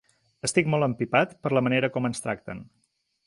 Estic molt empipat per la manera com ens tracten.